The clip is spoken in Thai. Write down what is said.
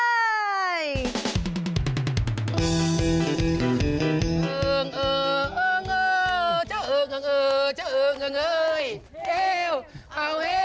เอิงเออเอิงเออเจ้าเอิงเออเจ้าเอิงเออเจ้าเอิงเออ